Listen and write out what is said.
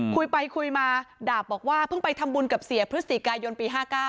คุยไปคุยมาดาบบอกว่าเพิ่งไปทำบุญกับเสียพฤศจิกายนปี๕๙